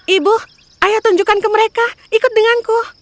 ibu ayah tunjukkan ke mereka ikut denganku